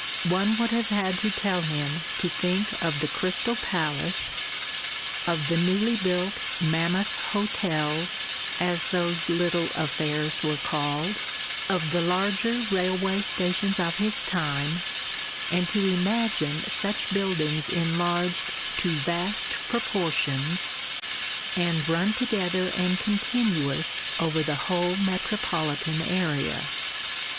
One would have had to tell him to think of the Crystal Palace, of the newly built "mammoth" hotels as those little affairs were called of the larger railway stations of his time, and to imagine such buildings enlarged to vast proportions and run together and continuous over the whole metropolitan area.